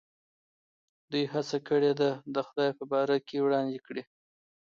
دوی هڅه کړې ده د خدای په باره کې وړاندې کړي.